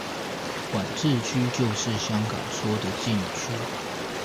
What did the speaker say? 管制區就是香港說的禁區